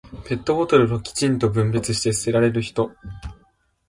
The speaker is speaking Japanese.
ペットボトルをきちんと分別して捨てられる人。